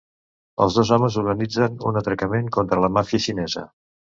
Els dos homes organitzen un atracament contra la màfia xinesa.